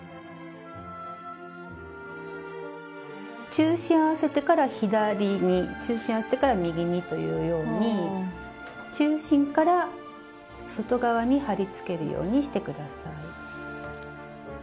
中心を合わせてから左に中心を合わせてから右にというように中心から外側に貼り付けるようにして下さい。